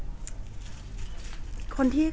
แต่ว่าสามีด้วยคือเราอยู่บ้านเดิมแต่ว่าสามีด้วยคือเราอยู่บ้านเดิม